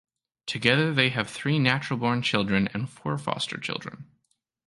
Together they have three natural born children and four foster children.